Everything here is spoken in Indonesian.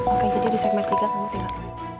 oke jadi di segmen tiga kamu tingkatkan